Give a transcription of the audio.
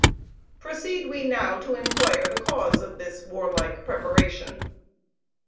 Proceed we now to inquire the cause of this warlike preparation.